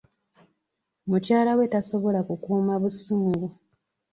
Mukyala we tasobola kukuuma busungu.